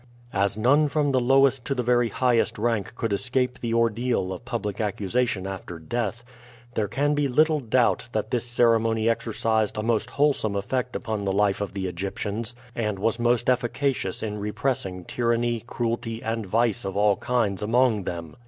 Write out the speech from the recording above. As none from the lowest to the very highest rank could escape the ordeal of public accusation after death, there can be little doubt that this ceremony exercised a most wholesome effect upon the life of the Egyptians, and was most efficacious in repressing tyranny, cruelty, and vice of all kinds among them.